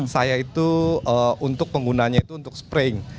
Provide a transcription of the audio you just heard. saya itu untuk penggunaannya itu untuk spraying